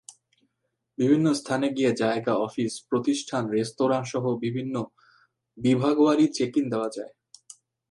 বিভিন্ন স্থানে গিয়ে জায়গা, অফিস, প্রতিষ্ঠান, রেস্তোরাঁসহ বিভিন্ন বিভাগওয়ারি চেক-ইন দেওয়া যায়।